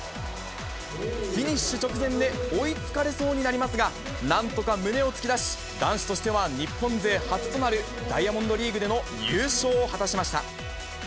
フィニッシュ直前で追いつかれそうになりますが、なんとか胸を突き出し、男子としては日本勢初となるダイヤモンドリーグでの優勝を果たしました。